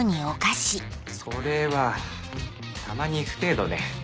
それはたまに行く程度で。